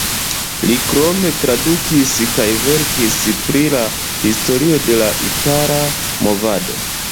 Li krome tradukis kaj verkis pri la historio de la itala movado.